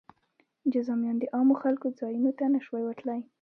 جذامیان د عامو خلکو ځایونو ته نه شوای ورتلی.